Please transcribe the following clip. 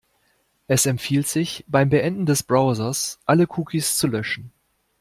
Es empfiehlt sich, beim Beenden des Browsers alle Cookies zu löschen.